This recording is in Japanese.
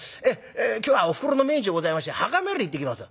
『今日はおふくろの命日でございまして墓参り行ってきます』。